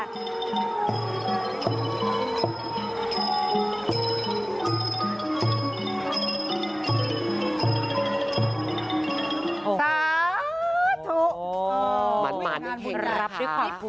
สาธุมันรับผุดสน